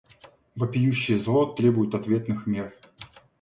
Вопиющее зло требует ответных мер.